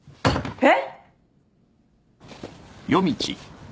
えっ？